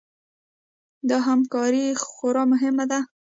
دا همکاري خورا مهمه وه.